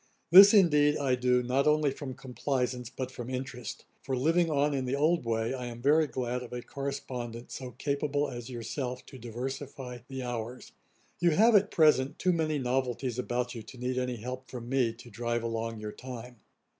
This, indeed, I do not only from complaisance but from interest; for living on in the old way, I am very glad of a correspondent so capable as yourself, to diversify the hours. You have, at present, too many novelties about you to need any help from me to drive along your time.